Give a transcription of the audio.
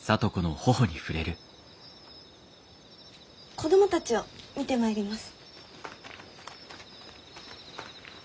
子供たちを見てまいります。